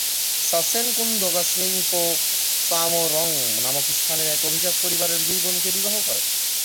সা-ছেন-কুন-দ্গা'-স্ন্যিং-পো ত্সামো-রোং নামক স্থানের এক অভিজাত পরিবারের দুই বোনকে বিবাহ করেন।